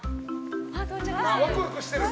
ワクワクしてる！